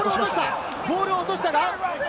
ボールを落とした！